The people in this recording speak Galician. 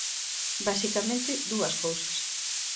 Basicamente dúas cousas.